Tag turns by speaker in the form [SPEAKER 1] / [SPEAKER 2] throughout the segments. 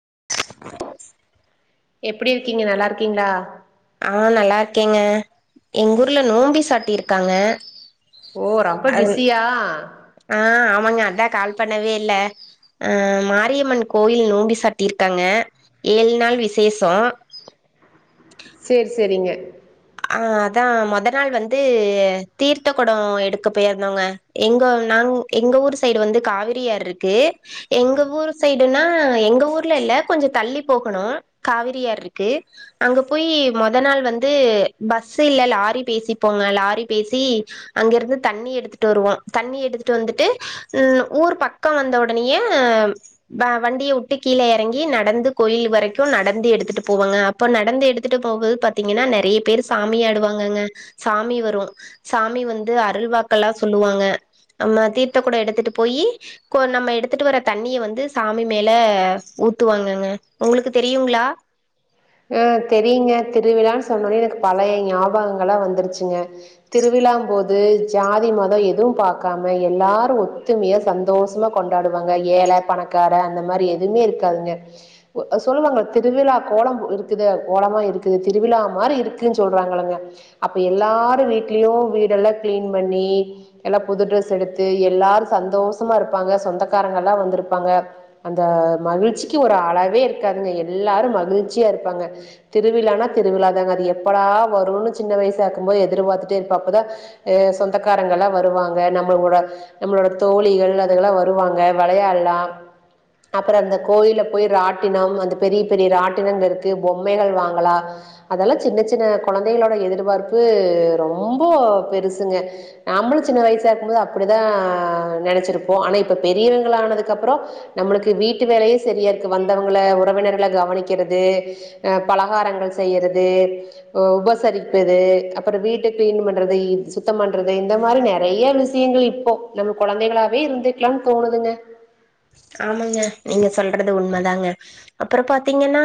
[SPEAKER 1] [inaudible]
[SPEAKER 2] எப்புடி இருக்கீங்க நல்லா இருக்கீங்ளா
[SPEAKER 1] ஆ நல்லார்க்கேக எங் ஊர்ல நோம்பி சாட்டி இர்க்காங்க
[SPEAKER 2] ஓ ரப்ப பிஸியா
[SPEAKER 1] ஆஹ் ஆமாங்க அதான் கால் பண்ணவே இல் ஆ மாரியம்மன் கோயில் நூண்டி சாட்டியிருக்காங்க ஏழு நாள் விசேஷம்
[SPEAKER 2] சேர் சேரிங்க
[SPEAKER 1] ஆ அதான் மொதல் நாள் வந்து தீர்த்த குடம் எடுக்க போயிருந்தோங்க எங்க நாங எங்க ஊர் சைடு வந்து காவிரி ஆறு இருக்கு எங்க ஊர் சைடுன்னா எங்க ஊர்ல இல் கொஞ்சம் தள்ளி போகணும் காவிரி ஆறு இருக்கு அங்க போய் மொதல் நாள் வந்து பஸ் இல்ல லாரி பேசிப்போங்க லாரி பேசி அங்கெருந்து தண்ணி எடுத்துட்டு வருவா தண்ணி எடுத்துட்டு வந்துட்டு ம் ஊர் பக்க வந்த உடனுயே வ வண்டிய உட்டு கீழ எறங்கி நடந்து கோயில் வரக்கு நடந்து எடுத்துட்டு போவாங்க அப்போ நடந்து எடுத்துட்டு போவ் போது பாத்தீங்கன்னா நறியி பேர் சாமி ஆடுவாங்கங்க சாமி வரு சாமி வந்து அருள்வாக்கலா சொல்லுவாங்க நம்ம தீர்த்த கூட எடுத்துட்டு போயி கொ நம்ம எடுத்துட்டு வர தண்ணிய வந்து சாமி மேல ஊத்துவாங்கங்க ஒங்ளுக்கு தெரியுங்ளா
[SPEAKER 2] யோ தெரியுங்க திருவிழான் சொன்னோனே எனக்கு பழைய ஞாபகங்களா வந்துருச்சுங்க திருவிழாம்போது ஜாதி மத எதுவு பாக்காம எல்லாரு ஒத்துமியா சந்தோஷமா கொண்டாடுவாங்க ஏழ பணக்கார அந்த மாரி எதுவ்மே இருக்காதுங்க ஒ அ சொல்லுவாங்க திருவிழா கோலம்பு இருக்குதே கோலமா இருக்குது திருவிழா மாரி இருக்குச் சொல்றாங்கள்லங்க அப்ப எல்லாரு வீட்லியு வீடெல்லா க்ளீன் பண்ணி எல்லா புது ட்ரெஸ் எடுத்து எல்லாரு சந்தோஷமா இருப்பாங்க சொந்தக்காரங்கல்லா வந்துருப்பாங்க அந்த மகுழ்ச்சிக்கி ஒரு அளவே இருக்காதுங்க எல்லாரு மகுழ்ச் சியா இர்ப்பாங்க திருவிழானா திருவிழா தாங்க அது எப்படா வருனு சின்ன வயிசாக்கும்போது எதுர்பாத்துட்டேர்ப்ப அப்பதா ஏ சொந்தக்காரங்கள்லா வருவாங்க நம்மள்கூட நம்முளோட தோழிகள் அதெல்லா வருவாங்க வெளையாட்லா அப்புற அந்த கோயில போய் ராட்டினம் அந்த பெரிய பெரிய ராட் டினங்கருக்கு பொம்மைக வாங்களா அதல்லா சின்ன சின்ன கொழந்தைகளோட எதுர்பார்ப்பு ரொம்போ பெருசுங்க ஆம்முளு சின்ன வயிசா இருக்கும்போது அப்புடிதா நெனச்சிருப்போ அனா இப்ப பெரியவுங்ளா ஆனதுக்கு அப்றோ நம்முளுக்கு வீட்டு வேலயே செரியார்க்கு வந்தவுங்ள உறவினர்க்ள கவனிக் க்கிறது அ பலகாரங்கள் செய்யறது உ உபசரிப்புது அப்புற வீட்டு க்ளீன் பண்றது இத் சுத்தம் பண்றது இந்த மாரி நெறைய விஷயங்க இப்போ நம்ப கொழந்தைகளாவே இருந்துக்லா தோணுதுங்க
[SPEAKER 1] ஆமங்க நீங்க சொல்றது உண்மதாங்க அப்றொ பாத்தீங்கன்னா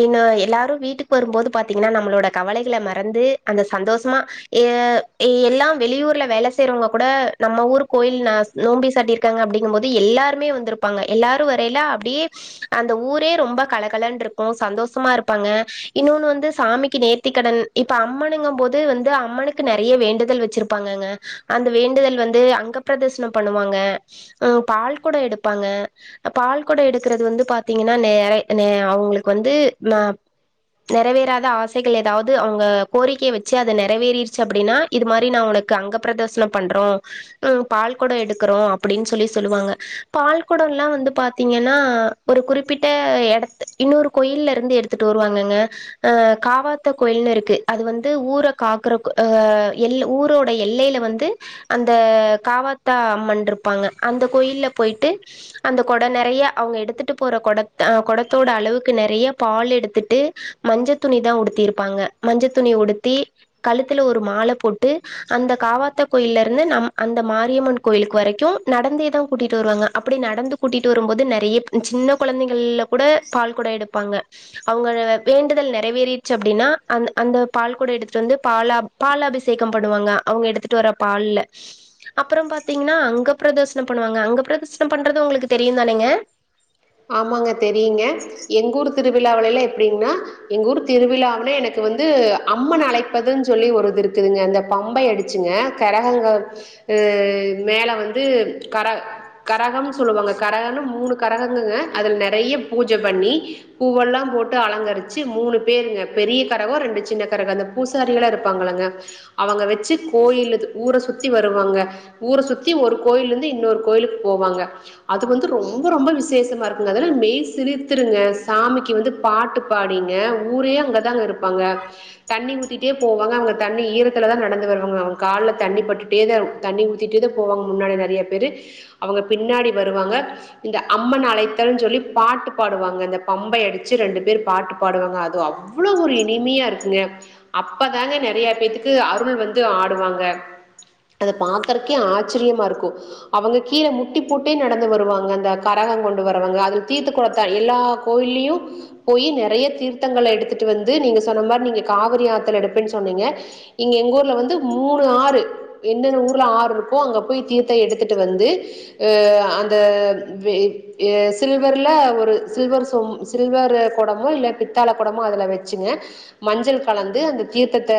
[SPEAKER 1] இன்னு எல்லாரு வீட்டுக் வரும்போது பாத்தீங்ன்னா நம்முளோட கவலைக்ள மறந்து அந்த சந்தோஷமா எ எல்லா வெளியூர்ல வேல செய்றவ்ங்க கூட நம்ம ஊர் கோயில்லஸ் நோம்பி சாட்டிர்க்காங்க அப்டிங்மோது எல்லார் [unintelligible] எல்லாரும் வரையில அப்படியே அந்த ஊரே ரொம்ப கலகல இருக்கும் சந்தோஷமா இருப்பாங்க இன்னொன்னு வந்து சாமிக்கு நேர்த்தி கடன் இப்ப அம்மனுங்கும் போது வந்து அம்மனுக்கு நிறைய வேண்டுதல் வச்சிருப்பாங்கங்க அந்த வேண்டுதல் வந்து அங்கபிரதர்சனம் பண்ணுவாங்க பால் கூட எடுப்பாங்க பால்குட எடுக்குறது வந்து பாத்தீங்கன்னா நேரய் நே அவுங்ளுக்கு வந்து ந நெறவேறாத ஆசைகுள் ஏதாவுது அவுங்க கோரிக்ய வெச்சு அத நெறவேறிற்ச்சு அப்டினா இது மாரி நா உனக்கு அங்கப்ரதஸ்னு பண்றோ ம் பால்குட எடுக்குறோ அப்புடின் சொல்லி சொலுவாங்க பால்குடம் எல்லாம் வந்து பாாரத்தீங்கன்னா ஒரு குறிப்பிட்ட இடத்து இன்னொரு கோயில்ல இருந்து எடுத்துட்டு வருவாங்கங்க அஹ் காவாத்தா கோயில்னுு இருக்கு அது வந்து ஊரை காக்குற ஆஹ் எல் ஊரோட எல்லையில வந்து அந்த காவாத்தா அம்மன் இருப்பாங்க அந்த கோயில்ல- போயிட்டு அந்த கொடை நிறைய அவங்க எடுத்துட்டு போற குட் கொடத்தோட அளவுக்கு நிறைய பால் எடுத்துட்டு மஞ்ச துணி தான் உடுத்திருப்பாங்க மஞ்ச துணி உடுத்தி கழுத்துல ஒரு மாலை போட்டு அந்த காவாத்த கோயில இருந்து நம் அந்த மாரியம்மன் கோயிலுக்கு வரைக்கும் நடந்தே தான் கூட்டிட்டு- கூட்டிட்டு வருவாங்க அப்படி நடந்து கூட்டிட்டு வரும்போது நெறைய சின்ன குழந்தைகள்ல கூட பால் கொடம் எடுப்பாங்க அவங்க வேண்டுதல் நிறைவேறிடுச்சு அப்படின்னா அந்த பால் கொடம் எடுத்துட்டு வந்து பால் ல பால் அபிஷேகம் பண்ணுவாங்க அவங்க எடுத்துட்டு வர பால் ல அப்புறம் பாத்தீங்கன்னா அங்க பிரதசோனம் பண்ணுவாங்க- பிரதர்சனம் பண்றது உங்களுக்கு தெரியும் தான நீங்க-
[SPEAKER 2] திருவிழாவளைலா எப்டின்னா எங்கு ஊர் திருவிழான்னே எனக்கு வந்து அம்மன் அழைப்பதுன் சொல்லி ஒரு இது இருக்குதுங்க அந்த பம்பை அடுச்சுங்க கரகங்க மேல வந்து கர கரகம் சொல்லுவாங்க கரகனு மூணு கரக குங்க அதுல் நெறைய பூஜ பண்ணி பூவல்லா போட்டு அலங்கருச்சி மூணு பேருங்க பெரிய கரகொ ரெண்டு சின்ன கரக அந்த பூசாரி எல்லா இருப்பாங்கள்லங்க அவங்க வெச்சி கோயில் இது ஊர சுத்தி வருவாங்க ஊர சுத்தி ஒரு கோயில்லேந்து இன்னொரு கோயிலுக் போவாங்க அது வந்து ரொம்ப ரொம்ப விஸ் சேஸமா இர்க்குங்க அதல மெய் சிலிர்த்துருங்க சாமிக்கி வந்து பாட்டு பாடிங்க ஊரே அங்கதாங்க இருப்பாங்க தண்ணி ஊத்திட்டே போவாங்க அங்க தண்ணி ஈரத்துல தா நடந்து வருவாங்ளா அவுங் கால்ல தண்ணி பட்டுட்டேதவ் தண்ணி ஊத்திட்டேத போவாங் முன்னாடி நறிய பேரு அவங்க பின்னாடி வருவாங்க இந்த அம்மன் அழைத்தருன்னு சொல்லி பாட்டு பாடுவாங்க அந்த பம்பை அடுச்சு ரெண்டு பேரு பாட்டு பாடுவாங்க அது அவ்ளோ ஒரு இனிம்யா இருக்குங்க அப்பதாங்க நெறியா பேத்துக்கு அருள் வந்து ஆடுவாங்க அத பாக்கறக்கே ஆச்சிர்யம்மா இருக்கு அவங்க கீழே முட்டி போட்டே நடந்து வருவாங்க அந்த அத் கரகம் கொண்டு வரவங்க அதில் தீர்த்து குளத்தா எல்லா கோயலயும் போய் நிறைய தீர்த்தங்களை எடுத்துட்டு வந்து நீங்க சொன்ன மாரி நீங்க காவிரி ஆற்றல் எடுப்பேன்னு சொன்னீங்க இங்க எங்க ஊர்ல வந்து மூணு ஆறு என்னென்ன ஊர்ல ஆறு இருக்கோ அங்கே போய் தீர்த்த எடுத்துட்டு வந்து அந்த- ஆ ஆ சில்வர்ல ஒரு ச சில்வர் குடமோ இல்ல பித்தாள குடமோ அதல வச்சுங்க மஞ்சள் கலந்து அந்த தீர த்த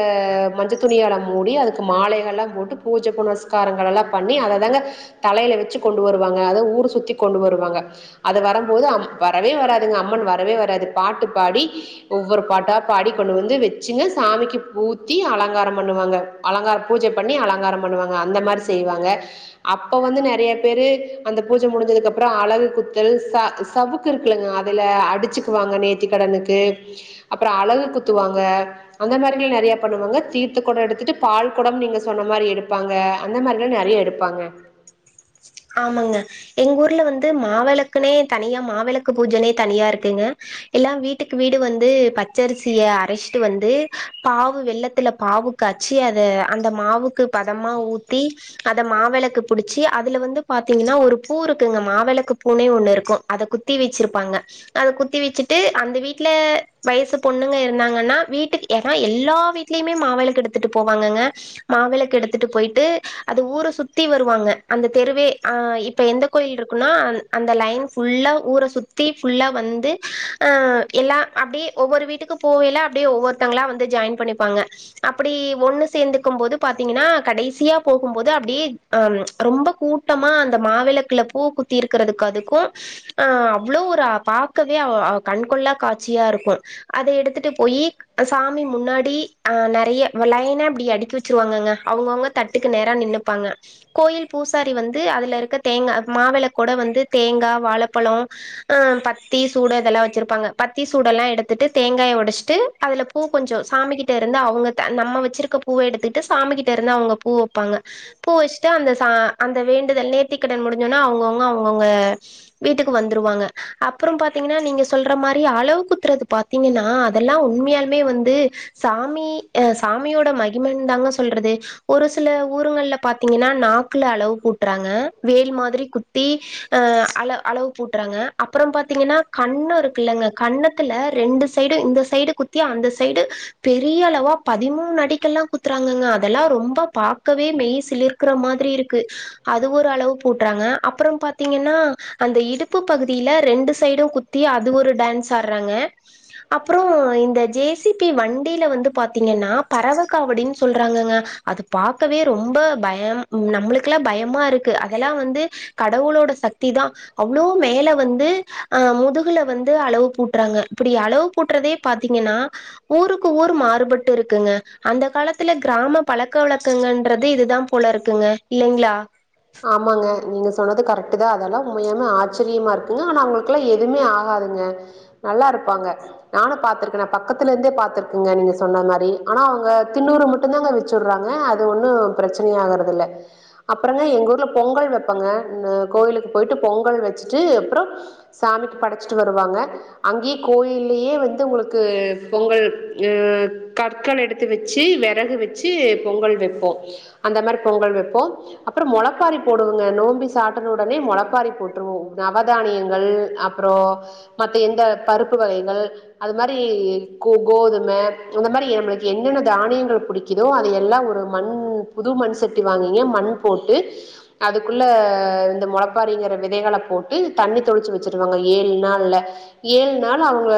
[SPEAKER 2] மஞ்ச துணியால மூடி அது- மாலைகள்ல்லாம் போட்டு பூஜை புனஸ்காரங்கள் எல்லாம் பண்ணி அதங்க தலையையில் வச்சு கொண்டு வருவாங்க அத ஊர் சுத்தி- கொண்டு வருவாங்க அது வரம்போது அம் வரவே வராதுங்க அம்மன் வரவே வராது பாட்டுப் பாடி ஒவ்வொரு பாட்டா பாடி கொண்டு வந்து வெச்சுங்க சாமிக்கு பூத்தி அலங்காரம் பண்ணுவாங்க அலங்கார பூஜ பண்ணி அலங்காரம் பண்ணுவாங்க அந்த மாரி செய்வாங்க. அப்ப வந்து நெறைய பேரு அந்த பூஜ முடிஞ்சதுக்க ப்பறோ அலகு குத்தல் ச சவுக்கு இருக்குல்லங்க அதுல அடிச்சுக்குவாங்க நேத்திக்கடனுக்கு அப்பறோ அலகு குத்துவாங்க அந்த மாரில்ல நெறைய பண்ணுவாங்க தீர்த்த கொடோ எடுத்துட்டு பால்க்கொடம் நீங்க சொன்ன மாரி எடுப்பாங்க அந்த மாரில்லா நெறைய எடுப்பாங்க
[SPEAKER 1] ஆமாங்க எங்க ஊர்ல வந்து மாவெளக்குனே தனியா மாவெளக்கு பூஜனே தனியா இருக்குங்க எல்லா வீட்டுக்கு வீடு வந்து பச்சரிசிய அரச்ட்டு வந்து பாவு வெல்லத்துல பாவு காச்சி அத அந்த மாவுக்கு பதமா ஊத்தி அத மாவெளக்கு புடிச்சி அதுல வந்து பாத்தீங்கனா ஒரு பூ இருக்குங்க மாவெளக்கு பூனே ஒன்னு இருக்கு அத குத்தி வெச்சிருப்பாங்க அத குத்தி வெச்சிட்டு அந்த வீட்ல வயசு பொண்ணுங்க இருந்தாங்கன்னா வீட்டுக்கு ஏனா எல்லா வீட்லியுமே மாவெளக்கெடுத்துட்டு போவாங்கங்க மாவெளக்கெடுத்துட்டு போய்ட்டு அத ஊர சுத்தி வருவாங்க அந்த தெருவே அஹ் இப்ப எந்த கோயில்ருக்குன்னா அந் அந்த லைன் ஃபுல்லா ஊர சுத்தி ஃபுல்லா வந்து அஹ் எல்லா அப்டியே ஒவ்வொரு வீட்டுக்கு போவைல அப்டியே ஒவ்வொருத்தங்களா வந்து ஜாயின் பண்ணிப்பாங்க அப்படி ஒன்னு சேந்துக்கும்போது பாத்தீங்கன்னா கடைசியா போகும்போது அப்டியே அஹ் ரொம்ப கூட்டமா அந்த மாவெளக்குல பூ குத்தி இருக்கறதுக்கு அதுக்கு ஆஹ் அவ்ளோ ஒரு பாக்கவே அ, அ, கண்கொள்ளா காட்சியா இருக்கு அத எடுத்துட்டு போயி சாமி முன்னாடி அஹ் நெறைய லைனா இப்டி அடிக்கி வெச்சிருவாங்கங்க அவங்கவங்க தட்டுக்கு நேரா நின்னுப்பாங்க கோயில் பூசாரி வந்து அதில இருக்க தேங்கா மாவேள கூட வந்து தேங்கா வாழப்பழம் ம் பத்தி சூட இதெல்லா வச்சுருப்பாங்க பத்தி சூடெல்லா எடுத்துட்டு தேங்காயை உடைச்சிட்டு அதில பூ கொஞ்சோ சாமிகிட்ட இருந்து அவங்க தா நம்ம வச்சிருக்க பூவை எடுத்துக்கிட்டு சாமிக்கிட்ட இருந்து அவங்க பூ வைப்பாங்க பூ வச் த்து அந்த சா அந்த வேண்டுதல் நேர்த்திக்கடன் முடிஞ்சோனா அவங்கங்க அவங்கவங்க வீட்டுக்கு வந்துருவாங்க அப்பறோ பாத்தீங்கன்னா நீங்க சொல்ற மாறி அளவு குத்துறது பாத்தீங்கன்னா அதெல்லா உண்மையாலுமே வந்து சாமி ஹ சாமியோட மகிமன் தாங்க சொல்றது ஒரு சில ஊருங்கல்ல பாத் த்தீங்கனா நாக்குல அலவு கூட்றாங்க வேல் மாதிரி குத்தி அஹ் அல அலவு பூட்றாங்க அப்பறோ பாத்தீங்கன்னா கன்னோ இருக்குல்லங்க கன்னத்துல ரெண்டு சைடு இந்த சைடு குத்தி அந்த சைடு பெரிய அலவா பதிமூணு அடிக்கெல்லா குத்துறாங்கங்க அதெல்லா ரொம்ப பாக்கவே மெய் சிலிர் க்கற மாதிரி இருக்கு அது ஒரு அலவு பூட்றாங்க அப்பறோ பாத்தீங்கனா அந்த இடுப்பு பகுதியில ரெண்டு சைடு குத்தி அது ஒரு டேன்ஸ் ஆட்றாங்க அப்பறோ இந்த ஜே சி டி வண்டில வந்து பாத்தீங்கன்னா பறவ காவடின் சொல்றாங்கங்க அது பாக்கவே ரொம்ப பய [unintelligible] ம், நம்மளுக்கெல்லா பயமா இருக்கு அதெல்லா வந்து கடவுளோட சக்தி தா அவ்ளோ மேல வந்து அஹ் முதுகுல வந்து அலவு பூட்றாங்க இப்டி அலவு பூட்றதே பாத்தீங்கன்னா ஊருக்கு ஊரு மாறுபட்டு இருக்குங்க அந்த காலத்துல கிராம பழக்கவழக்கங்கள்றது இது தா போல இருக்குங்க இல்லைங்களா
[SPEAKER 2] ஆமாங்க நீங்க சொன்னது கரெக்ட் தான் அதெல்லா உண்மையாமே ஆச்சரியமா இருக்குங்க ஆனா அவங்கக்கெல்லா எதுவுமே ஆகாதுங்க நல்லா இருப்பாங்க நானும் பாத்துருக்கேன் பக்கத்துல இருந்தே பாத்துருக்கங்க நீங்க சொன்ன மாறி ஆனா அவங்க தின்னுரு மட்டும் தான்ங்க வச்சுடுறாங்க அது ஒன்னும் பிரச்சனைை ஆகறது இல்ல அப்பறோ வேய் எங்க ஊர் பொங்கல் வைப்பங்க் கோயிலுக்கு போயிட்டு பொங்கல் வச்சுட்டு அப்றோ சாமிக்கு படைச்சிட்டு வருவாங்க அங்கேயே கோயிலயே வந்து உனக்கு பொங்கல் அஹ் கற்கள் எடுத்து வச்சு விறகு வச்சு பொங்கல் வெப்போம் அந்த மாறி பொங்கல் வைப்போம். அப்புறம் முளப்பாரி போடுவங்க நோம்பி சாப்பிட உடனே முளப்பாரி போட்டுருவோம் நவ தானியங்கள் அப்புறம் மற்ற எந்த பருப்பு வகைகள் அது மாதிரி கோ கோதுமை அந்த மாதிரி நம்மளுக்கு என்னென்ன தானியங்கள் பிடிக்குதோ அது எல்லாம் ஒரு மண் புது மண் சட்டி வாங்கிங்க மண் போட்டு அதுக்குள்ள இந்த முளைப்பாரிங்கிற விதைகளை போட்டு தண்ணி தொளிச்சு வச்சிருவாங்க ஏழு நாள்ல ஏழு நாள் அவங்க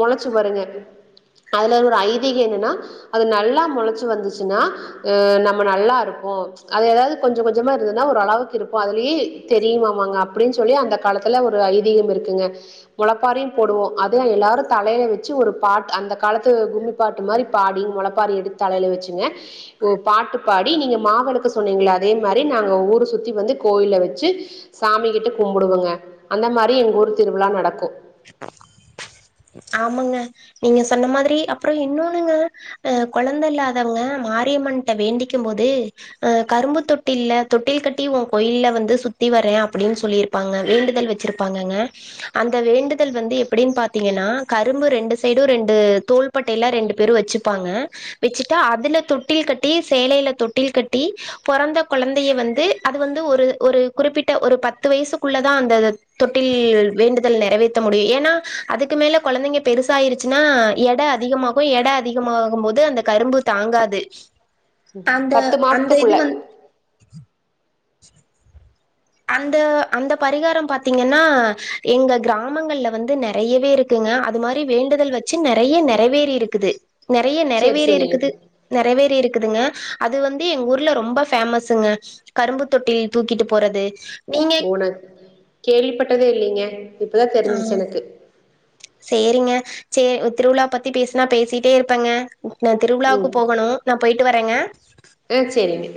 [SPEAKER 2] முளைச்சு வருங்க அதுல ஒரு ஐதிக என்னன்னா அது நல்லா முளைச்சு வந்துச்சுன்னா அஹ நம்ம நல்லா இருப்போம் அது எதாவது கொஞ்சம் கொஞ்சமா இருந்ததுன்னா ஒரு அளவுக்கு இருக்கும் அதுலயே தெரியுமாமாங்க அப்படின்னு சொல்லி அந்த காலத்துல ஒரு ஐதீகம் இருக்குங்க முளப்பாறையும் போடுவோம் அது எல்லாரும் தலையில வச்சு ஒரு பாட்டு அந்த காலத்து கும்மி பாட்டு மாதிரி பாடி முளப்ப [unintelligible] எடுத் தலைல வச்சுங்க ஓ பாட்டு பாடி நீங்க மாவிளக்கு சொன்னீங்கள அதே மாதிரி நாங்க ஊரை சுற்றி வந்து கோவில் வச்சு சாமி கிட்ட கும்பிடுவங்க அந்த மாதிரி எங்க ஊர் திருவிழா நடக்கும்
[SPEAKER 1] ஆமாங்க நீங்க சொன்ன மாதிரி அப்புறம் இன்னொன்னுங்க அஹ் குழந்தை இல்லாதவங்க மாரியம்மன்கிட்ட வேண்டிக்கும் போது அஹ கரும்பு தொட்டில் தொட்டில் கட்டி உன் கோயில்ல வந்து சுத்தி வர்ரேன் அப்படின்னு சொல்லியிருப்பாங்க வேண்டுதல் வச்சிருப்பாங்கங்க அந்த வேண்டுதல் வந்து எப்படின்னு பாத்தீங்கன்னா கரும்பு ரெண்டு சைடும் ரெண்டு தோல்பட்டை எல்லாம் ரெண்டு பேரும் வச்சுப்பாங்க வச்சுட்டா அதுல தொட்டில் கட்டி சேலையில தொட்டில் கட்டி பொறந்த கொழந்தைய வந்து அது வந்து ஒரு குறிப்பிட்ட ஒரு பத்து வயசுக்குள்ளதான் அந்த தொட்டில் வேண்டுதல் நிறைவே சுத்த முடியும் ஏன்னா அதுக்கு மேல குழந்தைங்க பெருசாயிருச்சுன்னா எடை அதிகமாகும் எடை அதிகமாகும்போது அந்த கரும்பு தாங்காது
[SPEAKER 2] உம்
[SPEAKER 1] அந்த
[SPEAKER 2] பத்து மாசத்துக்குள்ள
[SPEAKER 1] சரி அந்த அந்த பரிகாரம் பாத்தீங்கன்னா எங்க கிராமங்கள்ல வந்து நிறையவே இருக்குங்க அது மாதிரி வேண்டுதல் வச்சு நிறைய நிறைவேறி இருக்குது நிறைய
[SPEAKER 2] சேரி
[SPEAKER 1] நிறைவேறி
[SPEAKER 2] சேரிங்க
[SPEAKER 1] இருக்குது நிறைவேறி இருக்கு இருக்குதுங்க அது வந்து எங்க ஊர்ல ரொம்ப பேமஸ்ங்க கரும்பு தொட்டில் தூக்கிட்டு போறது நீங்க
[SPEAKER 2] ஊனக் கேள்விப்பட்டதே இல்லைங்க அப்பதான் தெரிஞ்சிச்சு எனக்கு
[SPEAKER 1] சரிங்க சரி திருவிழா பத்தி பேசினா பேசிட்டே இருப்பேங்க நான் திருவிழாவுக்கு போகணு நான் போயிட்டு வரேங்க ச
[SPEAKER 2] ஆஹ் சரிங்க